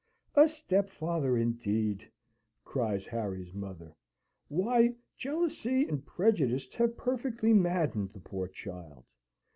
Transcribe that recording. "A stepfather, indeed!" cries Harry's mother. "Why, jealousy and prejudice have perfectly maddened the poor child!